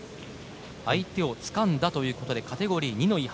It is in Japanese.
相手をつかんだということでカテゴリー２の違反。